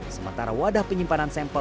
sementara wadah penyimpanan sampel